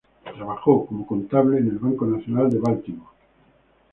Trabajó como contable en el Banco Nacional de Baltimore.